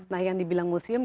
nah yang dibilang museum